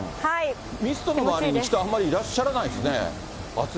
ミストの周りに人、あまりいらっしゃらないですね。